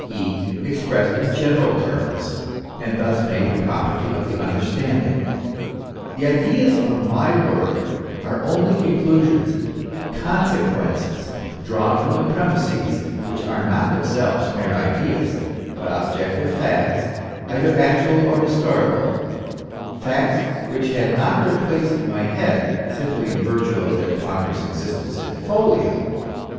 e., expressed in general terms, and thus made the property of the understanding. The ideas of my work are only conclusions, consequences, drawn from premises which are not themselves mere ideas, hut objective facts either actual or historical facts which had not their place in my head simply in virtue of their ponderous existence in folio